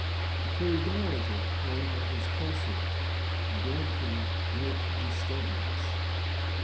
The queen dowager, however, his consort, bred him great disturbance.